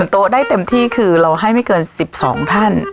โต๊ะได้เต็มที่คือเราให้ไม่เกิน๑๒ท่าน